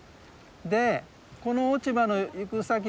でこの落ち葉の行く先はどう？